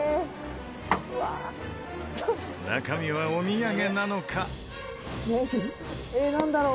「うわー」中身はお土産なのか？